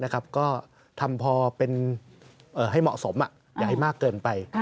ก็ทำพอเป็นให้เหมาะสมอย่าให้มากเกินไป